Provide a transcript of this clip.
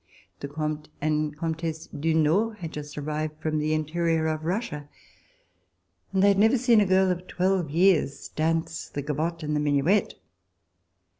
The Comte and Comtesse du Nord had just ar rived from the interior of Russia, and they had never seen a girl of twelve years dance the gavotte and the minuet.